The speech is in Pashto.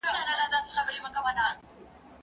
زه پرون زده کړه کوم